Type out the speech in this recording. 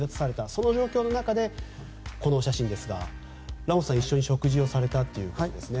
その状況の中でこの写真ですがラモスさん、一緒に食事されたという感じですね